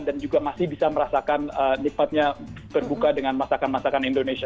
dan juga masih bisa merasakan nikmatnya berbuka dengan masakan masakan indonesia